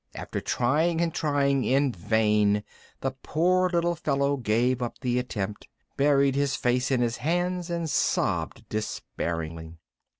After trying and trying in vain the poor little fellow gave up the attempt, buried his face in his hands, and sobbed despairingly.